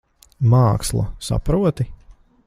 Māksla. Saproti?